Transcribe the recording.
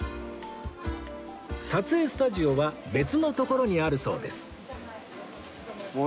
撮影スタジオは別の所にあるそうです